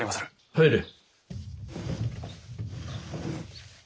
・入れ。